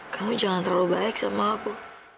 kamu jangan terlalu baik sama aku